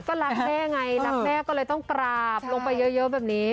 ก็รักแม่ไงรักแม่ก็เลยต้องกราบลงไปเยอะแบบนี้